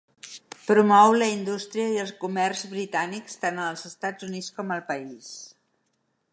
Promou la indústria i el comerç britànics tant als Estats Units com al país.